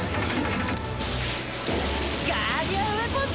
ガーディアンウエポン